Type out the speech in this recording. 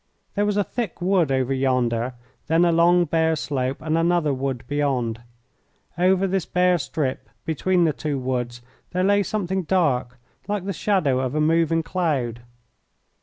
There was a thick wood over yonder, then a long, bare slope, and another wood beyond. Over this bare strip between the two woods there lay something dark, like the shadow of a moving cloud.